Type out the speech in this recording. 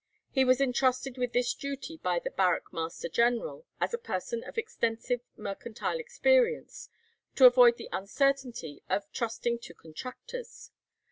He was intrusted with this duty by the barrack master general, as a person of extensive mercantile experience, to avoid the uncertainty of trusting to contractors.